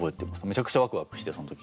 めちゃくちゃワクワクしてその時。